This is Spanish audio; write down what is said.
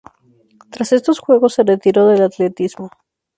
Tras estos Juegos se retiró del atletismo.